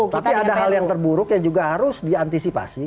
tapi ada hal yang terburuk yang juga harus diantisipasi